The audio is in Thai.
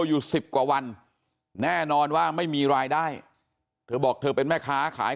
อยู่สิบกว่าวันแน่นอนว่าไม่มีรายได้เธอบอกเธอเป็นแม่ค้าขาย